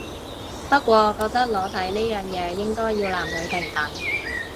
不過我覺得裸體呢樣嘢應該要男女平等